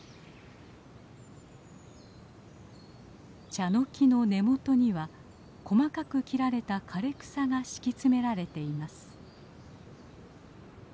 チャノキの根元には細かく切られた枯れ草が敷き詰められています。